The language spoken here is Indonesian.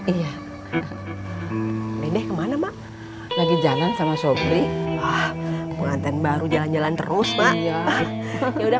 iya deh kemana mak lagi jalan sama sobrini ah pengantin baru jalan jalan terus mak ya udah